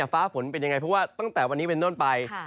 ฟ้าฝนเป็นยังไงเพราะว่าตั้งแต่วันนี้เป็นต้นไป